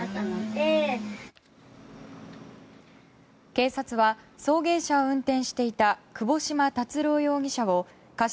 警察は送迎車を運転していた窪島達郎容疑者を過失